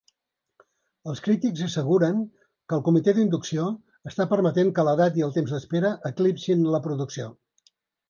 Els crítics asseguren que el comitè d'inducció està permetent que l'edat i el temps d'espera eclipsin la producció.